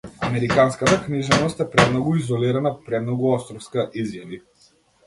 Американската книжевност е премногу изолирана, премногу островска, изјави.